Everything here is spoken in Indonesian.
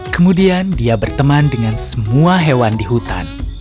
kemudian dia berteman dengan semua hewan di hutan